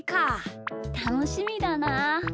たのしみだなあ。